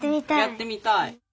やってみたい？